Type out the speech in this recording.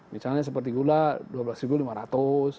misalnya seperti gula dua belas ribu